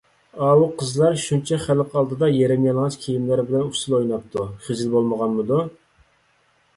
ئاۋۇ قىزلار شۇنچە خەلق ئالدىدا يېرىم يالىڭاچ كىيىملەر بىلەن ئۇسسۇل ئويناپتۇ، خىجىل بولمىغانمىدۇ؟